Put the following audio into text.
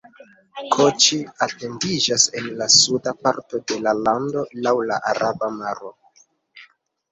Koĉi etendiĝas en la suda parto de la lando laŭ la Araba Maro.